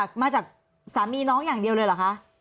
มาจากสามีน้องอย่างเดียวเลยเหรอคะ